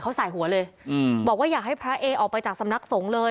เขาใส่หัวเลยอืมบอกว่าอยากให้พระเอออกไปจากสำนักสงฆ์เลย